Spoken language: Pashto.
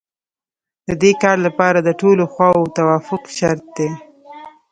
د دې کار لپاره د ټولو خواوو توافق شرط دی